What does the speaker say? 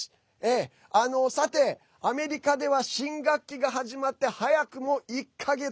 さて、アメリカでは新学期が始まって早くも１か月。